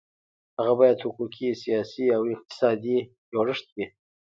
هغه باید حقوقي، سیاسي او اقتصادي جوړښت وي.